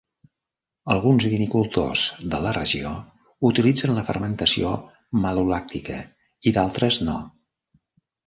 Alguns vinicultors de la regió utilitzen la fermentació malolàctica i d'altres, no.